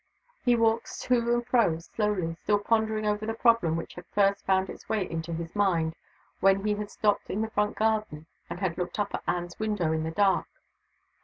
He walked to and fro slowly, still pondering over the problem which had first found its way into his mind when he had stopped in the front garden and had looked up at Anne's window in the dark.